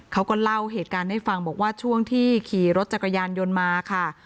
เขาก็เล่าเหตุการณ์ให้ฟังบอกว่าช่วงที่ขี่รถจักรยานยนต์มาค่ะ